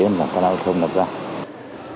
để đạt được tham gia giao thông